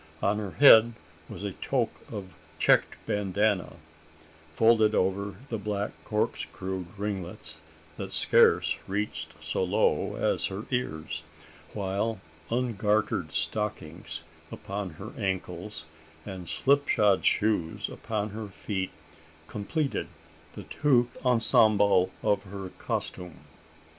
On her head was a toque of checked "bandana," folded over the black corkscrew ringlets, that scarce reached so low as her ears; while ungartered stockings upon her ankles, and slipshod shoes upon her feet, completed the tout ensemble of her costume.